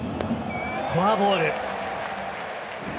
フォアボール。